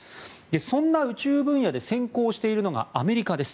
そんな宇宙分野で先行しているのがアメリカです。